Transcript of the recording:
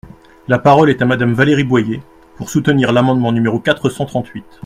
La parole est à Madame Valérie Boyer, pour soutenir l’amendement numéro quatre cent trente-huit.